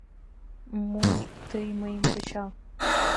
Муым тыйым мый, кычал».